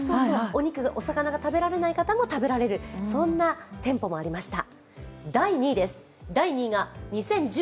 お魚が食べられない方も食べられる、そんな店舗もありました。